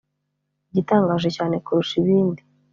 Igitangaje cyane kurusha ibindi